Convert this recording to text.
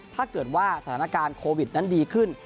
ถ้าเกิดว่าสถานการณ์โควิดนั้นดีขึ้น